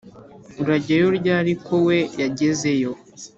urajyayo ryari ko we yagezeyo